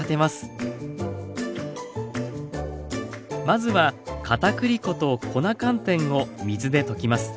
まずはかたくり粉と粉寒天を水で溶きます。